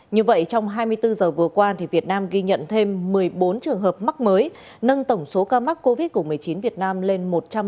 như vậy trong hai mươi bốn giờ vừa qua việt nam ghi nhận thêm một mươi bốn trường hợp mắc mới nâng tổng số ca mắc covid một mươi chín việt nam lên một trăm ba mươi ca